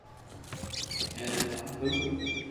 ئر ڪرو ڪا و